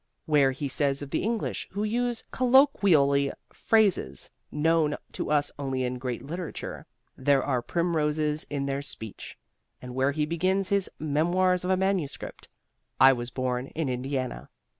Where he says of the English who use colloquially phrases known to us only in great literature "There are primroses in their speech." And where he begins his "Memoirs of a Manuscript," "I was born in Indiana."